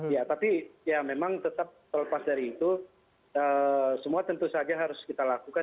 ya tapi ya memang tetap terlepas dari itu semua tentu saja harus kita lakukan